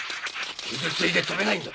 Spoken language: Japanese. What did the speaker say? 傷ついて飛べないんだ。